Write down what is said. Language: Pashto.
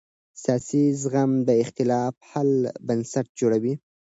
سیاسي زغم د اختلاف حل بنسټ جوړوي